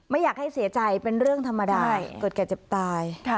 ไม่อยากให้เสียใจเป็นเรื่องธรรมดาเกิดแก่เจ็บตาย